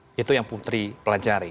itu yang putri pelajari